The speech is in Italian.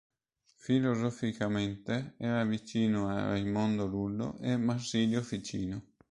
Filosoficamente, era vicino a Raimondo Lullo e Marsilio Ficino.